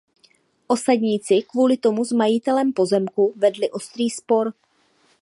Osadníci kvůli tomu s majitelem pozemků vedli ostrý spor.